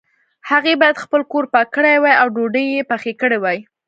هغې باید خپل کور پاک کړی وای او ډوډۍ یې پخې کړي وای